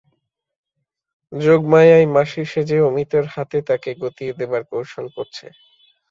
যোগমায়াই মাসি সেজে অমিতর হাতে তাকে গতিয়ে দেবার কৌশল করছে।